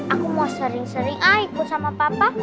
aku mau sering sering ikut sama papa